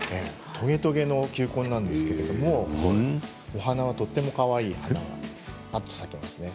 トゲトゲの球根なんですけどお花はとてもかわいいぱっと咲いていますね。